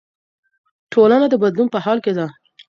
ټولنه د بدلون په حال کې ده.